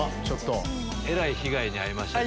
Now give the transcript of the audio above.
えらい被害に遭いましたね。